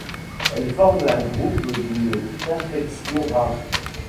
Elles forment un groupe d'une perfection rare.